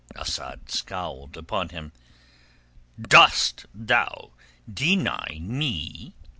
Asad scowled upon him. "Dost thou deny me?"